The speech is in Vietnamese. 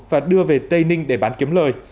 và đưa về tây ninh để bán kiếm lời